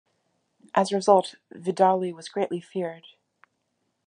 As a result, Vidali was greatly feared.